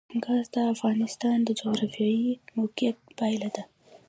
ګاز د افغانستان د جغرافیایي موقیعت پایله ده.